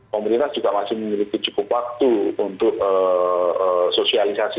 pemerintah juga masih memiliki cukup waktu untuk sosialisasi